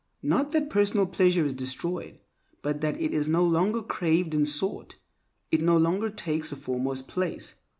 Not that personal pleasure is destroyed, but that it is no longer craved and sought, it no longer takes a foremost place.